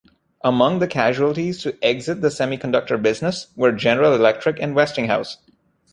Among the casualties to exit the semiconductor business were General Electric and Westinghouse.